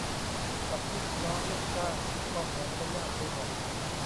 กับลูกน้องลูกจ้างก็เหมือนจะยากไปหมด